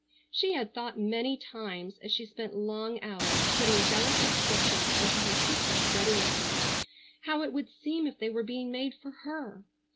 She had thought many times, as she spent long hours putting delicate stitches into her sister's wedding garments, how it would seem if they were being made for her.